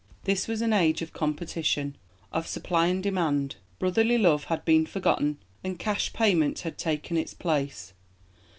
This was an age of competition, of 'supply and demand'; brotherly love had been forgotten and 'cash payment' had taken its place.